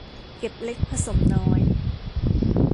เก็บเล็กผสมน้อย